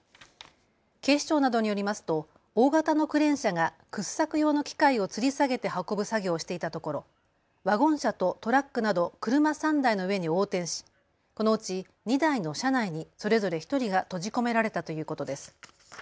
警視庁などによりますと大型のクレーン車が掘削用の機械をつり下げて運ぶ作業をしていたところワゴン車とトラックなど車３台の上に横転し、このうち２台の車内にそれぞれ１人が閉じ込められたということです。